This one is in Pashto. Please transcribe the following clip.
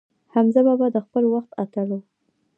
حمزه بابا د خپل وخت اتل و.